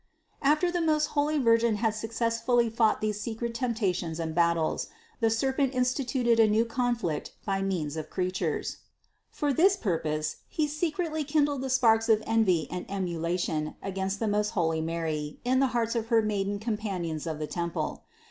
700. After the most holy Virgin had successfully fought these secret temptations and battles, the serpent instituted a new conflict by means of creatures. For this purpose he secretly kindled the sparks of envy and emula tion against the most holy Mary in the hearts of her maiden companions of the temple.